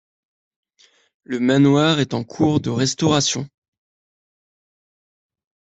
Le manoir est en cours de restauration.